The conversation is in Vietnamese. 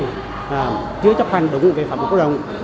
chứa chấp hành đồng hữu về phạm hóa đồng